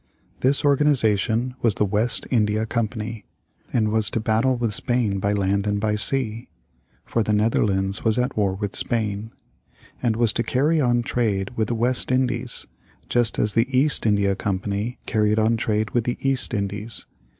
This organization was the West India Company, and was to battle with Spain by land and by sea (for the Netherlands was at war with Spain) and was to carry on trade with the West Indies, just as the East India Company carried on trade with the East Indies.